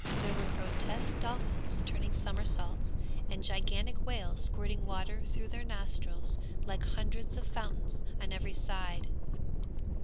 There were grotesque dolphins turning somersaults, and gigantic whales squirting water through their nostrils like hundreds of fountains on every side.